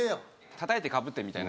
たたいてかぶってみたいな。